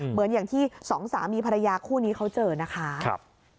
เหมือนอย่างที่สองสามีภรรยาคู่นี้เขาเจอนะคะ